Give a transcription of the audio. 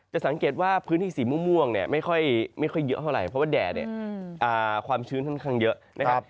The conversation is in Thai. สังเกตว่าพื้นที่สีม่วงเนี่ยไม่ค่อยเยอะเท่าไหร่เพราะว่าแดดเนี่ยความชื้นค่อนข้างเยอะนะครับ